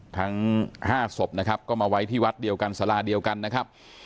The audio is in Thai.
ทั้ง๕ศพนะครับก็มาไว้ที่วัดเดียวกันสาราเดียวกันนะครับ